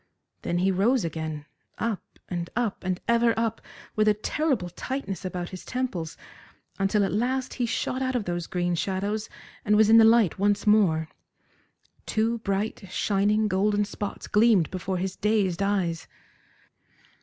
Then he rose again, up and up, and ever up, with a terrible tightness about his temples, until at last he shot out of those green shadows and was in the light once more. Two bright, shining, golden spots gleamed before his dazed eyes.